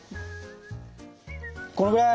このぐらい？